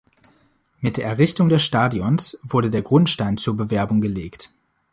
Mit der Errichtung des Stadions wurde der Grundstein zur Bewerbung gelegt.